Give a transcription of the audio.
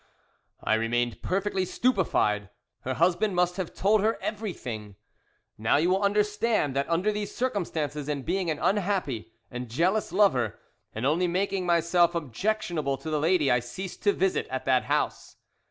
"I remained perfectly stupefied; her husband must have told her everything. "Now you will understand that under these circumstances, and being an unhappy and jealous lover, and only making myself objectionable to the lady, I ceased to visit at the house.